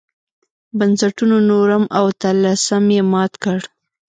بنسټونو نورم او طلسم یې مات کړ.